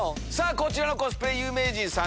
こちらのコスプレ有名人さん